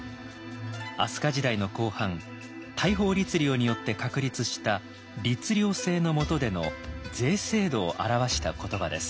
飛鳥時代の後半大宝律令によって確立した律令制の下での税制度を表した言葉です。